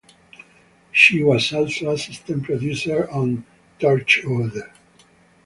She was also assistant producer on Torchwood.